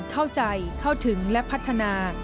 เข้าใจเข้าถึงและพัฒนา